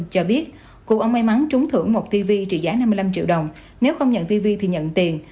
cho biết cụ ông may mắn trúng thưởng một tv trị giá năm mươi năm triệu đồng nếu không nhận tv thì nhận tiền